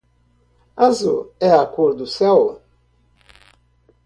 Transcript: Azul é a cor do céu?